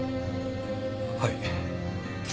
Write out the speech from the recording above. はい。